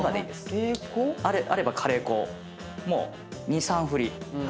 あればカレー粉を２３振り。